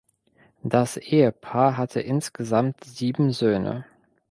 Das Ehepaar hatte insgesamt sieben Söhne.